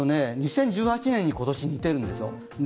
２０１８年に今年は似ているんですよ。